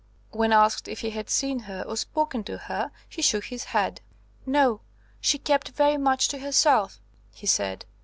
When asked if he had seen her or spoken to her, he shook his head. "No; she kept very much to herself," he said.